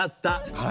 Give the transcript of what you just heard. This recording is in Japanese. はい。